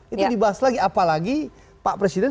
itu dibahas lagi apalagi pak presiden